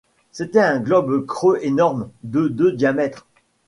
C'était un globe creux énorme, de de diamètre.